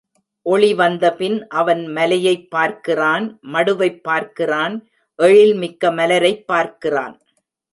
ஒளி வந்தபின் அவன் மலையைப் பார்க்கிறான் மடுவைப் பார்க்கிறான் எழில் மிக்க மலரைப் பார்க்கிறான்.